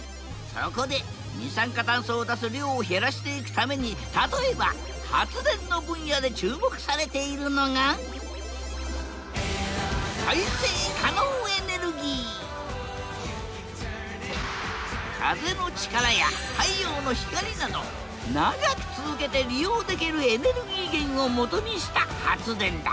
そこで二酸化酸素を出す量を減らしていくために例えば発電の分野で注目されているのが風の力や太陽の光など長く続けて利用できるエネルギー源をもとにした発電だ。